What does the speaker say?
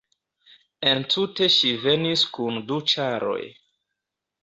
Entute ŝi venis kun du ĉaroj.